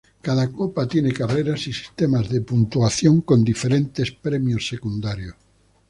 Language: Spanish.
Cada Copa tiene carreras y sistemas de puntuación con diferentes premios secundarios.